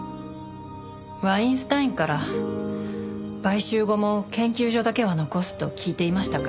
ワインスタインから買収後も研究所だけは残すと聞いていましたから。